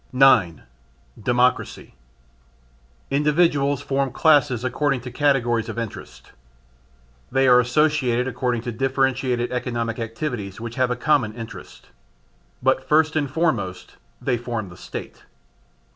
9. Democracy. Individuals form classes according to categories of interests. They are associated according to differentiated economical activities which have a common interest: but first and foremost they form the State.